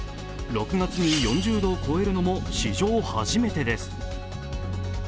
６月に４０度を超えるのも史上初めてです。